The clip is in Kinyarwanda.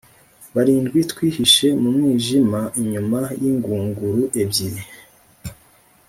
barindwi twihishe mu mwijima inyuma y ingunguru ebyiri